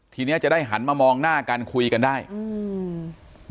เนี้ยจะได้หันมามองหน้ากันคุยกันได้อืม